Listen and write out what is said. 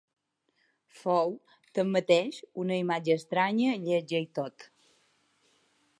Fou, tanmateix, una imatge estranya, lletja i tot.